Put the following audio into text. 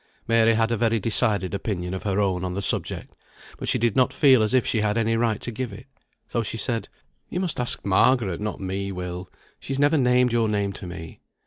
Mary had a very decided opinion of her own on the subject, but she did not feel as if she had any right to give it. So she said "You must ask Margaret, not me, Will; she's never named your name to me."